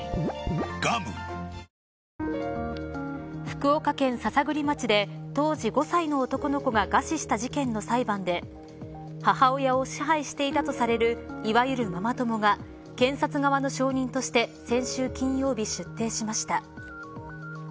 福岡県篠栗町で当時５歳の男の子が餓死した事件の裁判で母親を支配していたとされるいわゆるママ友が検察側の証人として先週金曜日、出廷しました。